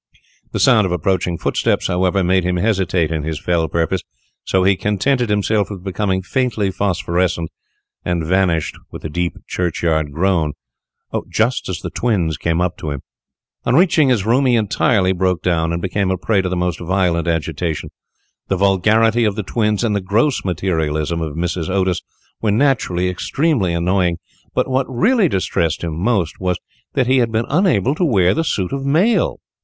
The sound of approaching footsteps, however, made him hesitate in his fell purpose, so he contented himself with becoming faintly phosphorescent, and vanished with a deep churchyard groan, just as the twins had come up to him. [Illustration: "THE TWINS ... AT ONCE DISCHARGED TWO PELLETS ON HIM"] On reaching his room he entirely broke down, and became a prey to the most violent agitation. The vulgarity of the twins, and the gross materialism of Mrs. Otis, were naturally extremely annoying, but what really distressed him most was that he had been unable to wear the suit of mail.